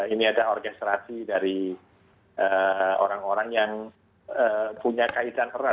ini ada orkestrasi dari orang orang yang punya kaitan erat